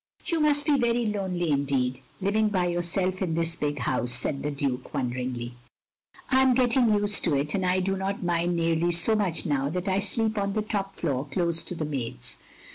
" "You must be very lonely indeed, living by yotirself in this big house," said the Duke, wonderingly. "I am getting used to it, and I do not mind nearly so much now that I sleep on the top floor close to the maids.